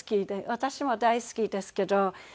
私も大好きですけど。